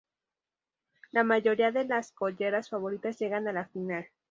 La mayoría de las "colleras" favoritas llegan a la final.